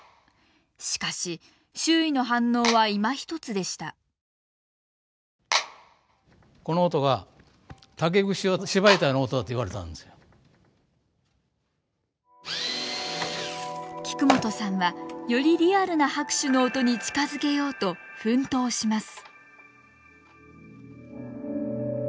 しかし周囲の反応はいまひとつでした菊本さんはよりリアルな拍手の音に近づけようと奮闘します